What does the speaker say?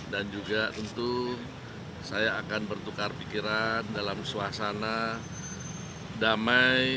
dan juga tentu saya akan bertukar pikiran dalam suasana damai